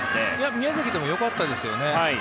宮崎でも良かったですよね。